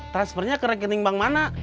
transfernya ke rekening bank mana